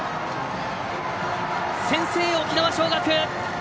先制、沖縄尚学！